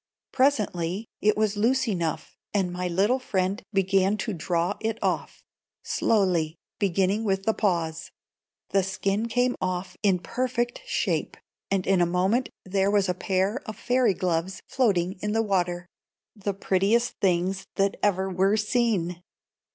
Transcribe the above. Presently it was loose enough, and my little friend began to draw it off, slowly, beginning with the paws. The skin came off in perfect shape, and in a moment there was a pair of fairy gloves floating in the water, the prettiest things that ever were seen.